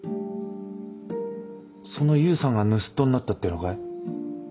その勇さんが盗人になったっていうのかい？